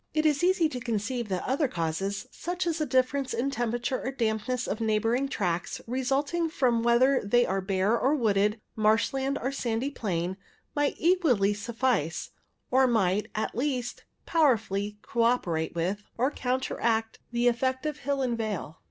It is easy to conceive that other causes, such as a difference in temperature or dampness of neigh bouring tracts, resulting from whether they are bare or wooded, marshland or sandy plain, might equally suffice; or might, at least, powerfully co operate with, or counteract, the effect of hill and vale.